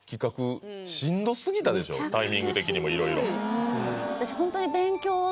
まずタイミング的にもいろいろ私